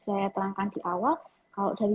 saya terangkan di awal kalau dari